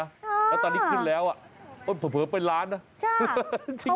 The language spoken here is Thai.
อ่าแต่ตอนนี้ขึ้นแล้วอ่ะเผลอเป็นล้านน่ะจ้า